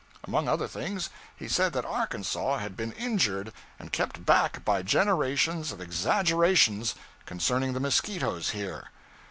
Among other things, he said that Arkansas had been injured and kept back by generations of exaggerations concerning the mosquitoes here.